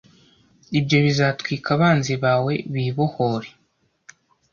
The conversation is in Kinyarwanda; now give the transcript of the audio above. Ibyo bizatwika abanzi bawe, bibohore